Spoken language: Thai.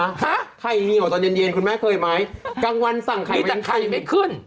ฮะไข่เหี่ยวตอนเย็นเย็นคุณแม่เคยไหมกลางวันสั่งไข่ไหมนี่แต่ไข่ไม่ขึ้น